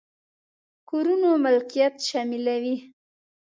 کورونو ملکيت شاملوي.